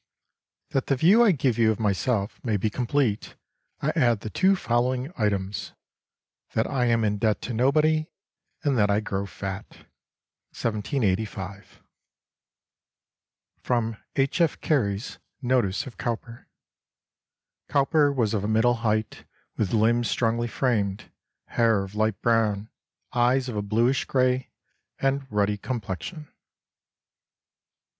"P.S. That the view I give you of myself may be complete, I add the two following items, that I am in debt to nobody, and that I grow fat." 1785. [Sidenote: H. F. Cary's Notice of Cowper.] "Cowper was of a middle height, with limbs strongly framed, hair of light brown, eyes of a bluish gray, and ruddy complexion."